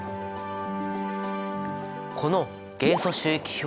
この元素周期表。